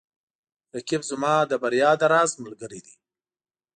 رقیب زما د بریا د راز ملګری دی